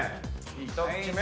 １口目。